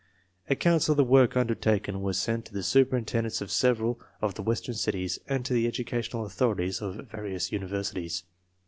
Accounts of the work undertaken were sent to the superintendents of several of the Western cities and to the educational authorities of various universities.